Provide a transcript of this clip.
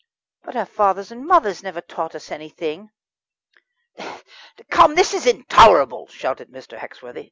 "But our fathers and mothers never taught us anything." "Come, this is intolerable," shouted Mr. Hexworthy.